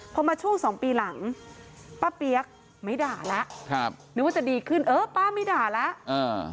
พอมาช่วงสองปีหลังป้าเปี๊ยกไม่ด่าแล้วครับนึกว่าจะดีขึ้นเออป้าไม่ด่าแล้วอ่า